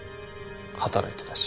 働いてたし。